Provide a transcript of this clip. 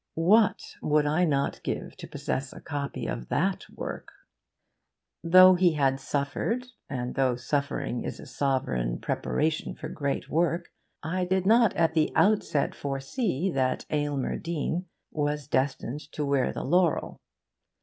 What would I not give to possess a copy of that work? Though he had suffered, and though suffering is a sovereign preparation for great work, I did not at the outset foresee that Aylmer Deane was destined to wear the laurel.